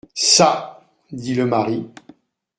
Ça ! dit le mari.